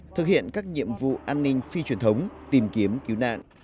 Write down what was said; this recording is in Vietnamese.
thực hiện các nhiệm vụ an ninh phi truyền thống tìm kiếm cứu nạn